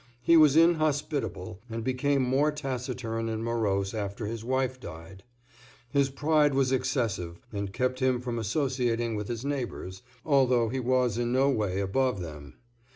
He was inhospitable, and became more taciturn and morose after his wife died. His pride was excessive and kept him from associating with his neighbors, although he was in no way above them.